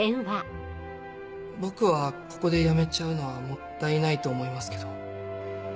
僕はここでやめちゃうのはもったいないと思いますけど。